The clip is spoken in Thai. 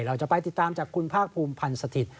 เราจะไปติดตามจากคุณภาคภูมิพันธ์สถิต